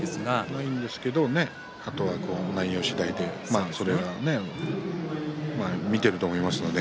ないんですけれどもあとは内容次第でそこは見ていると思います。